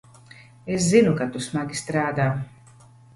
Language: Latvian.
Es zinu, ka tu smagi strādā.